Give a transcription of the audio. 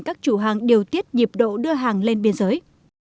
các chủ hàng điều tiết nhịp độ đưa hàng lên biên giới